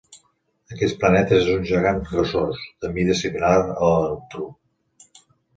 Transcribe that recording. Aquest planeta és un gegant gasós, de mida similar a la de Neptú.